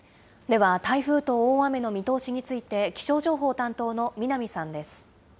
では台風と大雨の見通しについて、気象情報担当の南さんです。